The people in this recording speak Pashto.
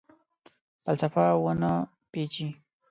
فلسفه ونه پیچي